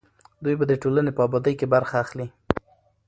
دوی به د ټولنې په ابادۍ کې برخه اخلي.